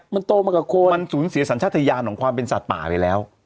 มันโตมากับคนมันสูญเสียสัญชาติยานของความเป็นสัตว์ป่าไปแล้ว